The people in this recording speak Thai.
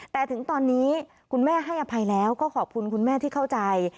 แต่ถึงตอนนี้คุณแม่ให้อภัยแล้วก็ขอบคุณคุณแม่ที่เข้าใจ